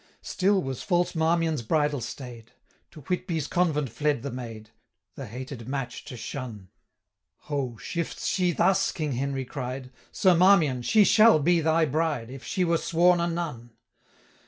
'Still was false Marmion's bridal staid; To Whitby's convent fled the maid, The hated match to shun. "Ho! shifts she thus?" King Henry cried, "Sir Marmion, she shall be thy bride, 545 If she were sworn a nun."